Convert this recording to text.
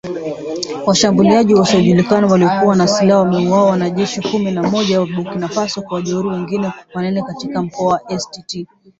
Washambuliaji wasiojulikana waliokuwa na silaha wamewaua wanajeshi kumi na mmoja wa Burkina Faso na kuwajeruhi wengine wanane katika mkoa wa Est